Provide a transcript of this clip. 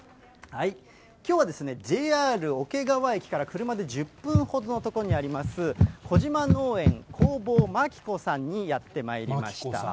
きょうはＪＲ桶川駅から車で１０分ほどの所にあります、小島農園工房まきこさんにやってまいりました。